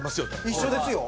一緒ですよ。